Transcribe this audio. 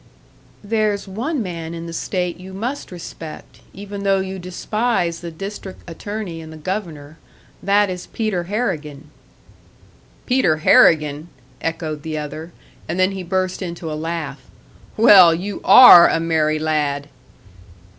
"There's one man in the state you must respect even though you despise the District Attorney and the Governor. That is Peter Harrigan." "Peter Harrigan?" echoed the other; and then he burst into a laugh. "Well, you are a merry lad!"